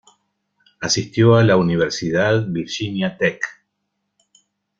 Asistió a la Universidad Virginia Tech.